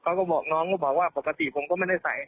เขาก็บอกน้องก็บอกว่าปกติผมก็ไม่ได้ใส่